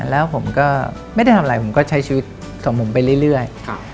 แล้วผมก็ไม่ได้ทำอะไรผมก็ใช้ชีวิตของผมไปเรื่อย